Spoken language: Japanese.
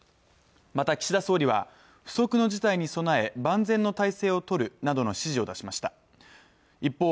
また岸田総理は不測の事態に備え万全の態勢を取るなどの指示を出しました一方